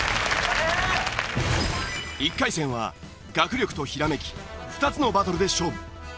１回戦は学力とひらめき２つのバトルで勝負。